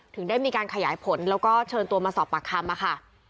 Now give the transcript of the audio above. ถึงได้มีการขยายผลแล้วก็เชิญตัวมาสอบปากคำค่ะ